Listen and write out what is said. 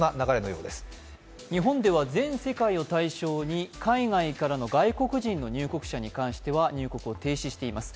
日本では善世界を対象に海外からの外国人の入国者に対しては入国を停止しています。